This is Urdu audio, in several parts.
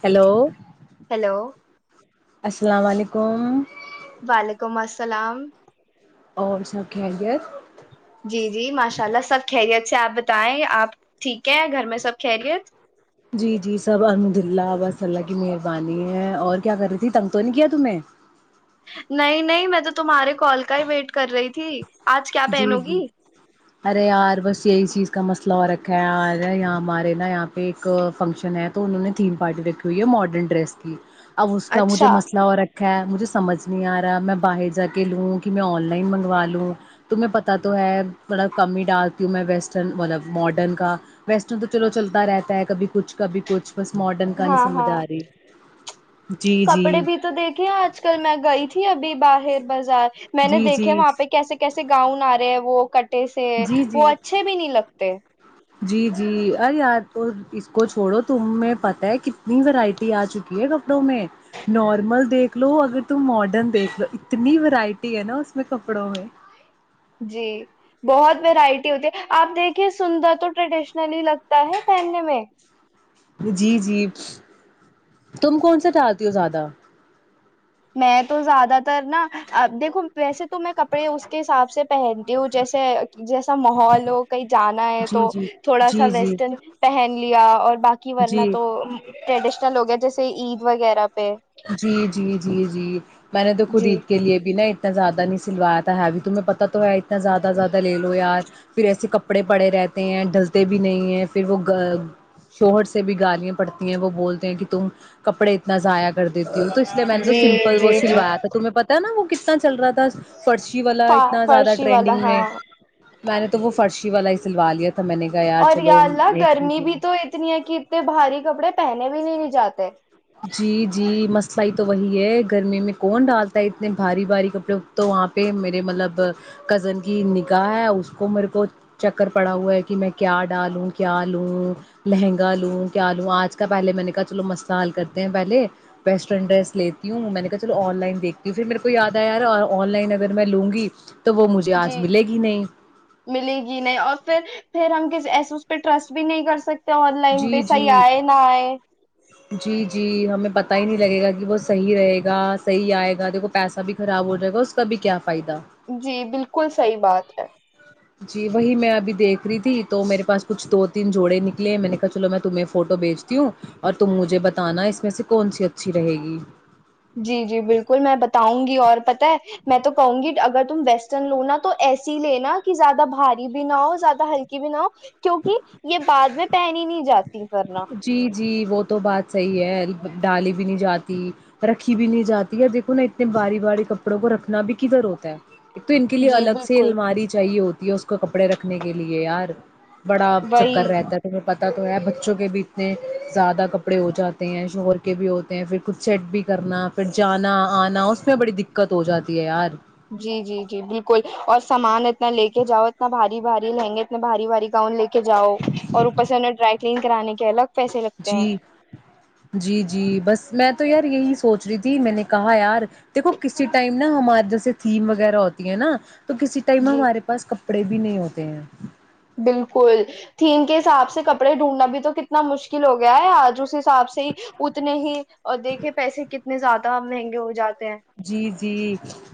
ہیلو ہیلو السلام علیکم وعلیکم السلام اور سب کیا لت جی جی ماشاء اللہ سب خیریت جے آپ بتائیں آپ ٹھیک ہے گھر میں سب کھیلیے جی جی سب الحمد للہا صلہ کی مہربانی ہے اور کیا کر رہی تھی تنگ تو نہیں کیا تمیں نہیں نہیں میں تو تمہارے کال کا ہی ویٹ کر رہی تھی آج کیا جی پہنو گی جی ارے یار بس یہی چیز کا مسئلہ اور رکھا ہے یہاں ہمارے نا یہاں پہ ایک فنکشن ہے تو انہوں نے تھیم پارٹی رکھی ہوئی ہے ماڈرن ڈریس کی اب اس کا مجھے اچھا مسئلہ اور مجھے سمجھ نہیں آ رہا ہے میں باہر جا کے لوں کہ میں آن لائن منگوا لوں تمہیں پتتا تو ہے تھوڑا کم ہی ڈالتی ہوں میں ویسٹرن مطلب ماڈرن کا ویسٹرن تو چلو چلتا رہتا ہے کبھی کچھ کبھی کچھ بس ماڈرن کا نہیں ہاں سمجھ ہاں آ رہی جی جی کپڑے بھی تو دیکھے آج کل میں گئی تھی ابھی باہر بازار میں نے جی جی دیکھے وہاں پہ کیسے کیسے گاؤں آ رہ وہ ک [unintelligible] سے جی وہ جی اچھے بھی نہیں لگتے جی جی ارے یار تو اس کو چھوڑو تمیں پتہ ہے کتنی ورائٹی آ چکی ہے کپڑوں میں نارمل دیکھ لو اگر تم ماڈرن دیکھ لو اتنی ورائٹی ہے نا اس میں کپڑوں میں جی بہت وورائٹی ہوتی ہے آپ دیکھیے سندر تو ٹریڈیشنل ہی لگتا ہے پہننے میں جی جی تم کون سا ڈالتی ہو زیادہ میں تو زیادہ تر نا ا دیکھو ویسے تو میں کپڑے اس کے حساب سے پہنتی ہوں جیسے جیسا محول ہو کہیں جانا ہے تو جی جی تھوڑا سا جی جی ویسٹرن پہن لیا اور باقی ورنہ جی تو ٹریڈشن لگ ہیں جیسے عید وغیرہ پہ جی جی جی جی جی میں نے تو خود جی عید کے لیے بھی نا اتنا زیادہ نہیں سلوایا تھا ہےوی تمہیں پتتا تو ہے اتنا زیادہ زیادہ لے لو یار پھر ایسے کپڑے پڑے رہتے ہیں ڈلتے بھی نہیں ہے پھر وہ شوہر سے بھی گالیاں پڑتی ہیں وہ بولتے ہیں کہ تم کپڑے اتنا ضائع کر دیتی ہوں تو اس لیے میں نے تو جی سمپل وہ جی جی سلوا تھا تمہیں پتا ہےا وہ کتنا چل رہا تھا فرشی والا اتنا زیادہ فرشی والا ٹرینڈنگ ہاں میں میں نے تو وہ فرشی والا ہی سلوال لیا تھا میں نے کہا یار اور چلو یا اللہ ایک ہی گرمی بھی دن تو اتنی ہے کہ اتنے بھاری کپڑے پہن بھی نہیں نہیں جاتے [unintelligible] جی جی مسلا ہی تو وہی ہے گرمی میں کون ڈالتا ہے اتنے بھاری بھاری کپڑے تو وہاں پہ میرے مطلب کزن کی نگاہ ہے اس کو میرے کو چکر پڑا ہوا ہے کہ میں کیا ڈالوں کیا لوں لہنگا لوں کیا لوں آج کا پہلے میں نے کہا چلو مس سال کرتے ہیں پہلے ویسٹرن ڈریس لیتی ہوں میں نے کہا چلو آن لائن دیکھتی ہوں پھر میرے کو یاد آیا یار اور آن لائن اگر میں لوں گی تو وہ مجھے جی آج ملے گی نہیں ملے گی نہیں اور پھر پھر ہم ایسے اس پہ ٹسٹ بھی نہیں کر سکتے تو آن لائن پہ جی ص ہی جی ہے نہ ہے [unintelligible] پتتا ہی نہیں لگے گا کہ وہ صحی رہے گا صحی آئے گا دیکھ کو پیسہ بھی خراب ہو جائے گا اس کا بھی کیا فائدہ جی بالکل صحیح بات ہے جی وہی میں ابھی دیکھ رہی تھی تو میرے پاس کچھ دو تین جوڑے نکلے ہیں میں نے کہا چلو میں تمہیں فوٹو بھیجتی ہوں اور تم مجھے بتانا اس میں سے کون سی اچھی رہے گی جی جی بالکل میں بتاؤں گی اور پت ہے میں تو کہوں گی اگر تم ویسٹرن لوناا تو ایسی ہی لینا کہ زیادہ بھاری بھی نہ ہو زیادہ ہلکی بھی نہ ہو کیوںکہ یہ بعد میں پہن ہی نہیں جاتی ورنہ جی جی وہ تو بات صحیح ہے ڈالی بھی نہیں جاتی رکھی بھی نہیں جاتی دیکھو نا اتنے باری باری کپڑوں کو رکھنا بھی کدھر ہوتا ہے ایک تو ان کے لیے جی الگ سے بالکل الماری چاہیے ہوتی [unintelligible] کپڑے رکھنے کے لیے یار بڑا وہی چکر رہتا تو پتا تو ہے بچوں کے بھی اتنے زیادہ کپڑے ہو جاتے ہیں شوہر کے بھی ہوتے ہیں پھر کچھ سیٹ بھی کرنا پھر جانا آنا اس میں بڑی دقت ہو جاتی ہے یار جی جی جی بالکل اور سامان اتنا لے کے جاؤ اتنا بھاری بھاری لہنگے اتنے بھاری بھاری گؤن لے کے کے جاؤ اور اوپر سے انہیں ڈرائی کلین کرانے کے الگ پیسے لگتے جی ہیں جی جی بس میں تو یار یہی سوچ رہی تھی میں نے کہا یار دیکھو کسی ٹائم نا ہمار جیسے تھیم وغیرہ ہوتی ہے نا تو کسی ٹائم جی ہمارے پاس ک کپڑے بھی نہیں ہوتے ہیں بالکل تھیم کے حساب سے کپڑے ڈھونڈنا بھی تو کتنا مشکل ہو گیا ہے آج اس حساب سے ہی اتنے ہی اور دیکھے پیسے کتنے زیادہ مہنگے ہو جات جی جی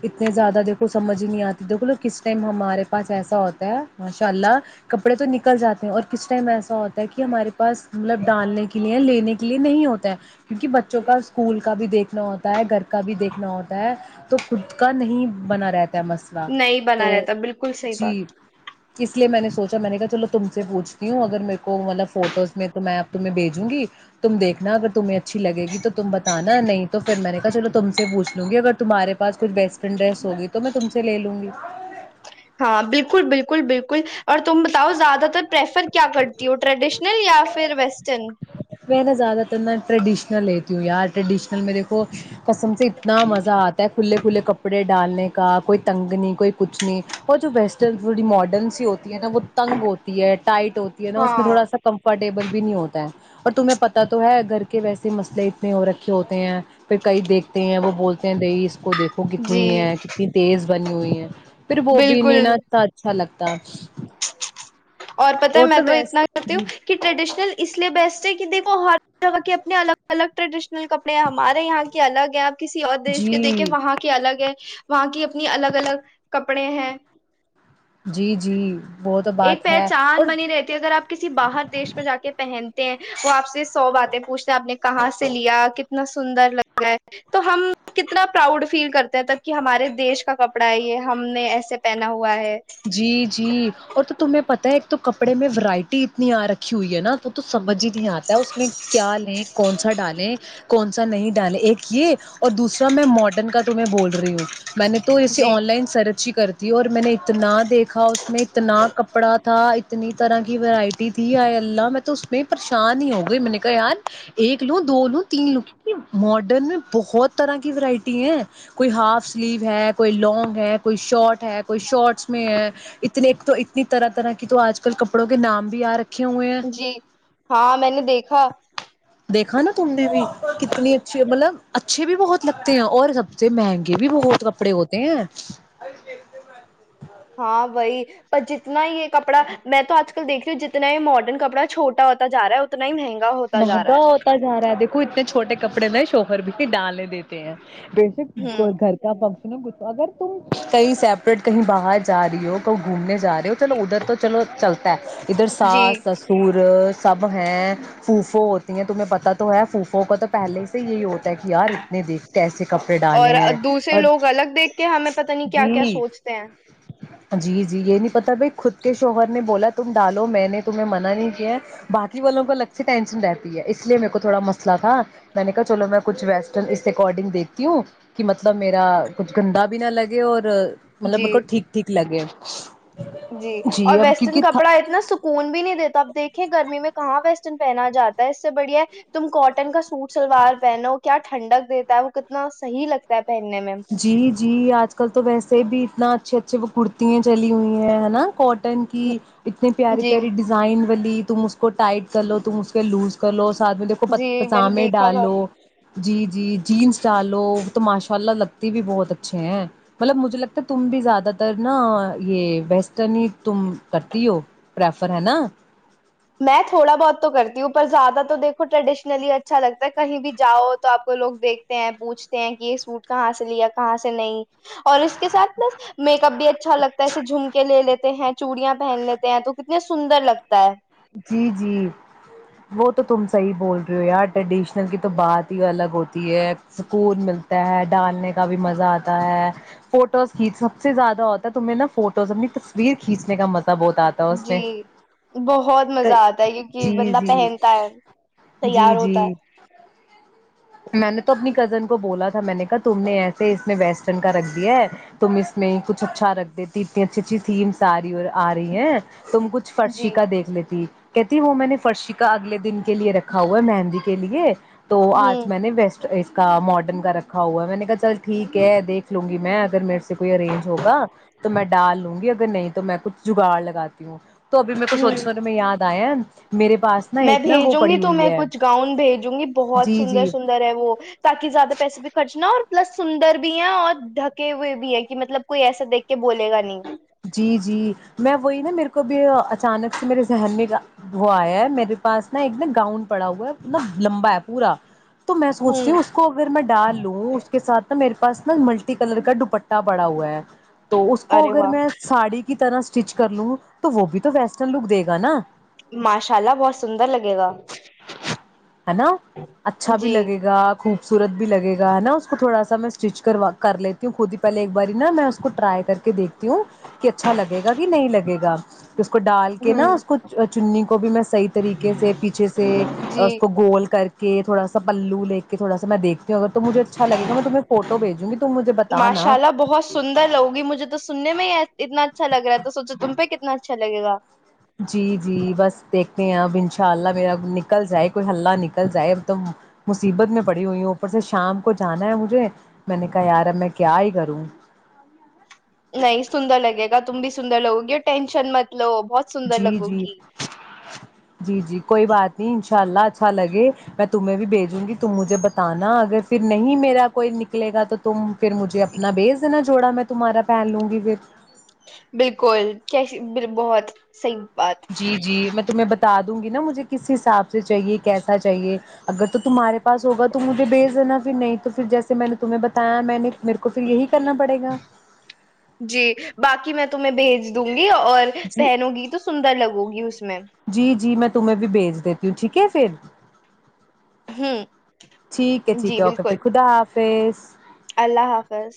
اتنے زیادہ دیکھو سمجھ ہی نہیں آتی دیکھو کس ٹائم ہمارے پاس ایسا ہوتا ہے ماشاء اللہ کپڑے تو نکل جاتے ہیں اور کس ٹائم ایسا ہوتا ہے کہ ہمارے پاس مطلب ڈالنے کے لیے لینے کے لیے نہیں ہوتا ہے کیونکہ بچوں کا اسکول کا بھی دیکھنا ہوتا ہے گھر کا بھی دیکھ ہوتا ہے تو خود کا نہیں بنا رہتا ہے مسئلہ نہیں تو بنا رہتا بالکل صحیح بات جی اس لیے میں نے سوچا میں نے کہا چلو تم سے پوچتی ہوں اگر میرے کو مطلب فوٹوز میں تو میں اب تمہیں بھیجوں گی تم دیکھنا اگر تمہیں اچھی لگ گی تو تم بتانا نہیں تو پھر میں نے کہا چلو تم سے پوچھ لوں گی اگر تمہارے پاس کچھ بیسٹرن ڈریس ہوگی تو میں تم سے لوں گی ہاں بالکل بالکل بالکل اور تم بتاؤ زیادہ تر پریفر کیا کرتی ہو ٹریڈیشنل یا پھر پھر ویسٹرن میں نا زیادہ تر ن ریڈشنل لیتی ہوں یار ٹریڈشنل میںیک کسم سے اتنا مزہ آتا ہے کھے کھلے کپڑے ڈالنے کا کوئی تنگ نہیں کوئی کچھ نہیں اور جو ویسٹرن تھی ماڈرن سی ہوتی ہے نا وہ تنگ ہوتی ہے ٹائٹ ہوتی ہے نا اس میں ہاں تھوڑا سا کمفرٹ ٹیبل بھی نہیں ہوتا ہے اور تمہیں پتہ تو ہے گھر کے ویسے مسلے اتنے ہو رکھے ہوتے ہیں پھر کئی دیکھتے ہیں وہ بولتے دئی اس کو دیکھو کتنی جی ہے کتنی تیز بنی ہوئی ہیں پھر وہ بھی نہیں بالکل نا ا اچھا لگتا اور پت ہے میں تو اتنا کرتی ہوں کہ ٹریڈیشنل اس لیے بیسٹ ہے کہ دیکھ وہ ہر جگہ کے اپنے الگ الگ ٹریڈیشنل کپڑے ہیں ہمارے یہاں کے الگ ہیں آپ کسی اور دیش کے دیکھیں جی وہاں کے الگ ہے وہاں کی اپنی الگ الگ کپڑے ہیں جی جی وہ تو ایک بات پہ ہے اور چاند بنی رہتی ہے اگر آپ کسی باہر دیش میں جا کے پہن وہ آپ سے سو باتیں پوچھتے ہیں آپ نے کہاں سے لیا کتنا سندر لگا ہے تو ہم کتنا پراؤڈ فیل کرتے ہیں تب کہ ہمارے دیش کا کپڑا ہے یہ ہم نے ایسے پہنا ہو [unintelligible] جی جی اور تو تمہیں پتا ہے ایک تو کپڑے میں ورائٹی اتنی آ رکھی ہوئی ہے نا تو سمجھ ہی آتا ہے اس میں کیا لیں کون سا ڈالیں کون سا [unintelligible] ا نہیں ڈ ایک یہ اور دوسرا میں ماڈرن کا تمہ بول رہی ہوں میں نے تو ایے جی آن لائن سرچ ہی کر تھی اور میں نے اتنا دیکھا اس نے اتنا کپڑا تھا اتنی طرح کی ورائٹی تھی آئی اللہ میں تو اس میں پریشان ہی ہو گئی میں نے کہا یار ایک لوں دو لوں تین لوں ماڈرن میں بہت طرح کی ورائٹی ہے کوئی ہاف سلیو ہے کوئی لانگ ہے کوئی شارٹ ہے کوئی شارٹ ہے اتنے تو اتنی طرح طرح کی تو آج کل کپڑوں کے نام بھی آ رے جی ہاں میں نے دیکھا دیکھا نا تم نے بھی کتنی اچھی مطلب اچھے بھی بہت لگتے ہیں اور سب سے مہنگے بھی بہت کپڑے ہوتے ہیں ہاں وہی پر جتنا ہی یہ کپڑا میں تو آج کل دیکھ رہی ہوں جتنا ماڈرن کپڑا چھوٹا ہوتا جا رہا ہے اتنا ہی مہنگا ہوتا جا رہا مہنگا ہوتا جا رہا ہے دیکھو اتنے چھوٹے کپڑے میں شوہر بھی کے ڈالے دیتے ہیں ہے بشک ہوں گھر کا اگر تم کہیں سیپریٹ کہیں باہر جا رہی ہو کہ گھومنے جا رہے ہو چلو ادھر تو چلو چلتا ہے ادھر جی ساس س سور سب ہیں پوفو ہوتی ہیں تمہیں پتا تو ہے پوفو کا تو پہلے یہی ہوتا ہے کہ یار اتنے دیکھتے ایسے کپڑے ڈالے اور ہیں دوسرے اور لوگ الگ دیکھ کے ہمیں پتہ نہیں کیا جی کیا سوچتے ہیں جی جی یہ نہیں پتا بھائی خود کے شوہر نے بولا تم ڈالو میں نے تمہیں منع نہیں کیا ہے باقی والوں کا لگتا سی ٹینسن رہتی ہے اس لیے میرے کو تھوڑا مسئلہ تھا میں نے کہا چلو میں کچھ ویسٹرن اس اکارڈنگ دیکھتی ہوں کہ مطلب میرا کچھ گندا بھی نہ لگے اور مطلب میرے کو جی ٹھیک ٹھیک لگے ا جی اور ویسٹرن کپڑا اتنا سکون بھی نہیں دیتا اب دیکھ گرمی میں کہاں ویسٹرن پہنا جا ہے اس سے بڑھیا تم کوٹن کا سوٹ سلوار پہنو ہو کیا ٹھنڈک دیتا ہے وہ کتنا صحیح لگتا ہے پہننے میں جی جی آج کل تو ویسے بھی اتنا اا اچھے اچھے وہ کرتیاں چلی ہوئی ہیں ناٹ ٹن کی اتنی پیاری جی پیاری ڈیزائن والی تم اس کو ٹائٹ کر لو تم اس کے لوز کر لو اس ساتھ میں دیکھو جی میں نے پجامے دیکھا تھا ڈالو جی جی جینس ڈالو وہ تو ماشاء اللہ لگتا بھی بہت اچھے ہیں مطلب مجھے لگتا ہے تم بھی زیادہ تر نا یہ ویسٹرن ہی تم کرتی ہو پرریفر ہے نا میں تھوڑا بہت تو کرتی ہوں پر زیادہ تو دیکھو ٹریڈیشنلی اچھا لگتا ہے کہیں بھی جاؤ تو آپ کو لوگ دیکھتے ہیں پوچھتے ہیں کہ یہ سوٹ کہاں سے لیا کہاں سے نہیں اور اس کے ساتھ نا میک اپ بھی اچھا لگتا ہے ایے جھوم کے لے لیتے تو ح [unintelligible] چوڑیاں پہن لیتے ہیں تو کتنے سندر لگتا ہے جی جی وہ تو تم صحیح بول رہے ہو یار ٹریڈیشنل کی تو بات ہی الگ ہوتی ہے سکون ملتا ہے ڈالنے کا بھی مزہ آتا ہے فوٹوز کھین سب سے زیادہ ہوتا تمہیں نا فوٹوز اپنی تصویر کھینچنے کا مزہ بہت آتا ہے اس جی میں بہت بت مزہ آتا ہے کیونکہ جی بندہ جی پہنتا ہے جی تیار جی ہوتا [inaudible] میں نے تو اپنی کزن کو بولا تھا میں نے کہا تم نے ایسے اس میں ویسٹرن کا رکھ دیا ہے تم اس میں کچھ اچھا رکھ دیتی اتنی اچھی اچھی تھیمس آ رہی اور آ رہی ہیں [unintelligible] تم کچھ ہے فرش جی کاا دیکھ لیتی [unintelligible] کہتی وہ میں نے فرشی کا اگلے دن کے لیے رکھا ہوا ہے مہندی کے لیے [unintelligible] تو ہ آج [inaudible] اس کا ماڈرن کا رکھا ہوا ہے میں نے کہا چل ٹھیک ہے دیکھ لوں گی میں اگر میرے سے کوئی ارینج ہوگا تو میں ڈال لوں گی اگر نہیں تو میں کچھ جگاڑ لگاتی ہوں [unintelligible] تو ابھی م کو ہ سوچ سنے میں یاد آیا ہے نا [unintelligible] ج [inaudible] پاس میں بھیجوں گی تو میں کچھ گاؤن بھیجوں گی بہت جی سندر جی سندر [unintelligible] انر ہے وہ تاکہ زیادہ پیسے بھی خرچنا اور [unintelligible] مطلب سندر بھی ہیں اور ڈھکے ہوئے بھی ہیں کہ مطلب کوئی ایسا دیکھ کے بولے گا نہیں جی جی میں وہی نا میرے کو اچانک سے میرے ذہن میں وہ آیا ہے میرے پاس نا ایک نا گاؤن پڑا ہوا ہے مطلب لمبا ہے پورا [unintelligible] تو میں سوچتی ہوں اس کو اگر میں ڈال لوں اس کے سھ میرے پسنل ملٹی کلر کا دپٹہ [unintelligible] پڑا ہوا ہے تو اس کو ارے اگر واہ میں [unintelligible] ساڑی کی طرح اسٹچ کر لوں تو وہ بھی تو ویسٹرن لک دے گا نا [unintelligible] ماشاء اللہ بہت سندر لگے گا [unintelligible] ہے نا اچھا بھی جی لگے گا [unintelligible] خوبصورت بھی لگے گا ہے نا اس کو تھوڑا سا میں اسٹچ کروا کر لیتی ہوں خود ہی پہلے ایک باری نا میں اس کو ٹرائی کر کے دیکھتی ہوں [unintelligible] کہ اچھا لگے گا کہ نہیں لگے گا [unintelligible] اس کو ڈال کے نا ہوں اس کو چنی کو بھی میں صحیح طریقے سے پیچھے سے اس جی کو گول کر کے [unintelligible] کہ تھوڑا سا پلو لے کے تھوڑا سا میں دھتی [inaudible] اگر مجھے اچھا لگے گا میں تمہیں فوٹو بھیجوں گی تم مجھے بت نا ماشاء [inaudible] اللہ بہت سندر لگوگی مجھے تو سننے میں ہی اتنا اچھا لگ رہا تو سوچو تم پہ کتنا اچھا لگے [inaudible] جی جی بس دیکھتے ہیں اب ان شاء اللہ میرا نکل جائے کوئی ہلہ نکل جائے اب تو مصیبت میں پڑی ہوئی ہوں اوپر سے شام کو جانا ہے مجھے میں نے کہا یار اب میں کیا ہی کروں [inaudible] نہیں سندر لگے گا تم بھی سندر لگو گی اور ٹینشن مت [inaudible] لو بہت سندر جی لگو جی گی [inaudible] جی جی کوئی بات نہیں ان شاء اللہ اچھا لگے میں تمہیں بھیجوں گی تم مجھے بتانا اگر پھر نہیں میرا کوئی نکلے گا تو تم [inaudible] پھر مجھے اپنا بیج دینا [inaudible] چوڑا میں تمہارا پہن لوں گی پھر [inaudible] بالکل کیسی بہت صحی [inaudible] جی جی میں تمہیں بتا [inaudible] گی نا مجھے کس حساب سے چاہیے کیسا چاہیے اگر تو تمہارے پاس ہوگا تو مجھے بھیج دینا پھر نہیں توھر جیس میں نے تمہیں بتایا میں نے میرے کو پھر یہی کرنا پڑے گا جی باقی میں تمہیں بھیج [inaudible] اور جی پہنو گی تو سندر لگو گی اس میں تہ میں بھیج دیتی ہوں ٹھیک ہے پھر ہ ٹھیک ہے ٹھیک جی ہے اوکے بالکل پھر خدا حافظ فیس اللہ حافظ